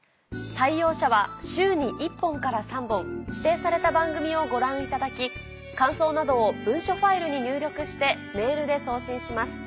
採用者は週に１本から３本指定された番組をご覧いただき感想などを文書ファイルに入力してメールで送信します。